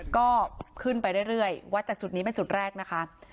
ก็ขึ้นไปเรื่อยวัดจากจุดนี้เป็นจุดแรกนะคะ